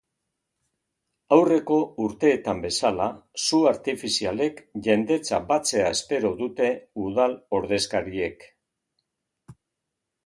Aurreko urteetan bezala, su artifizialek jendetza batzea espero dute udal ordezkariek.